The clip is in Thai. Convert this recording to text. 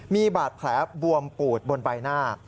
มีบาดแผลบวมปูดบนใบหน้า